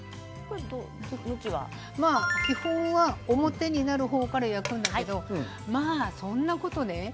基本は表なる方から焼くんですがまあ、そんなことね